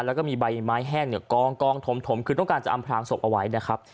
แล้วก็มีใบไม้แห้งเนี่ยกองถมคือต้องการจะอำพลางศพเอาไว้นะครับ